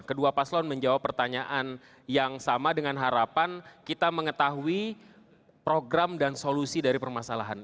kedua paslon menjawab pertanyaan yang sama dengan harapan kita mengetahui program dan solusi dari permasalahan